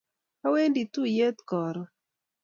awendi tuyiet karon